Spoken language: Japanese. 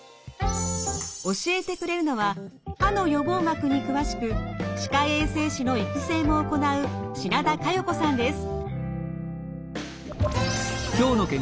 教えてくれるのは歯の予防学に詳しく歯科衛生士の育成も行う品田佳世子さんです。